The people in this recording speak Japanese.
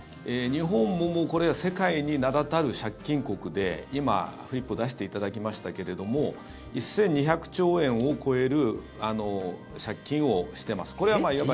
日本もこれは世界に名だたる借金国で今、フリップを出していただきましたけれども１２００兆円を超える借金をしてます。え？